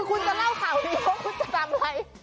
คุณจะเล่าข่าวนี้ว่าคุณจะทำอะไร